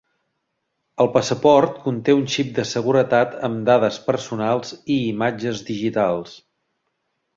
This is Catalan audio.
El passaport conté un xip de seguretat amb dades personals i imatges digitals.